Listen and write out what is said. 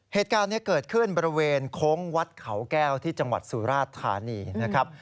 เหตุการณ์นี้เกิดขึ้นบริเวณโค้งวัดเขาแก้วที่จังหวัดสุราชธานีนะครับ